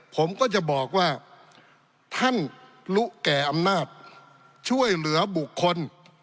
ผมก็จะบอกว่าท่านรู้แก่อำนาจช่วยเหลือบุคคล